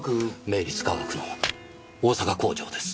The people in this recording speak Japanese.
明律化学の大阪工場です。